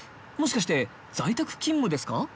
もしかして在宅勤務ですか？